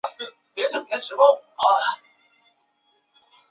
世界铁人三项系列赛为国际铁人三项联盟的年度系列赛事。